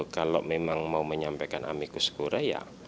kalau memang mau menyampaikan amikus kura ya